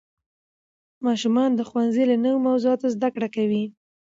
ماشومان د ښوونځي له نوې موضوعاتو زده کړه کوي